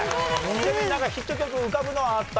ちなみになんかヒット曲浮かぶのはあった？